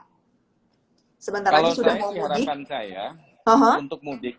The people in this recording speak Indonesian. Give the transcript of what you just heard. kalau saya sih harapan saya untuk mudik